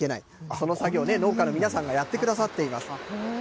その作業、農家の皆さんがやってくださっています。